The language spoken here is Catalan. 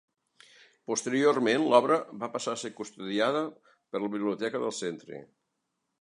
Posteriorment, l'obra va passar a ser custodiada per la Biblioteca del centre.